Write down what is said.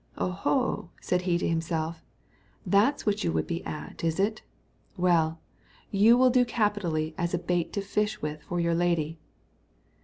"Oho," said he to himself, "that's what you would be at, is it? Well, you will do capitally as a bait to fish with for your lady."